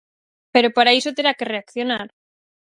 Pero para iso terá que reaccionar.